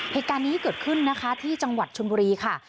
เหตุการณ์นี้เกิดขึ้นนะคะที่จังหวัดชนบุรีค่ะ